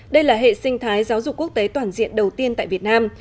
đây là hệ sinh thái giáo dục quốc tế toàn diện đầu tiên tại việt nam